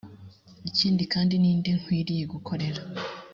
ikindi kandi ni nde nkwiriye gukorera?